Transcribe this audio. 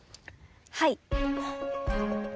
はい。